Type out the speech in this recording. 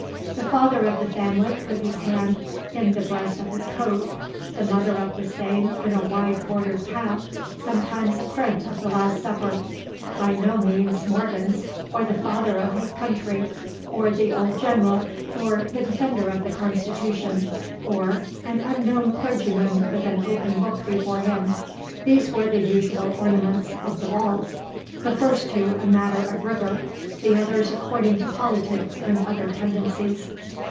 The father of the family with his hand in the breast of his coat, the mother of the same in a wide bordered cap, sometimes a print of the Last Supper, by no means Morghen's, or the Father of his Country, or the old General, or the Defender of the Constitution, or an unknown clergyman with an open book before him, these were the usual ornaments of the walls, the first two a matter of rigor, the others according to politics and other tendencies.